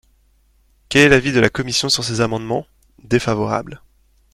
Quel est l’avis de la commission sur ces amendements ? Défavorable.